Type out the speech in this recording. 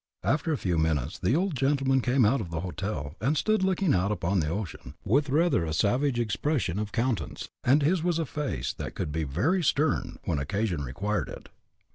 After a few minutes the old gentleman came out of the hotel, and stood looking out upon the ocean, with rather a savage expression of countenance and his was a face that could be very stern, when occasion required it.